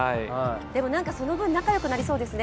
その分、仲良くなりそうですね。